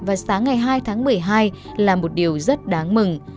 và sáng ngày hai tháng một mươi hai là một điều rất đáng mừng